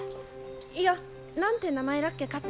いや何て名前らっけかって。